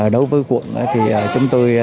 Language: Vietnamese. đối với quận chúng tôi